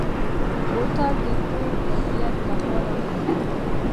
بوتل د ښو کیفیت لپاره مهم وي.